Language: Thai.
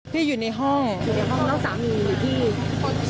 พี่อยู่ในห้องน้องสามีอยู่ที่